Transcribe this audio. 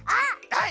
はい！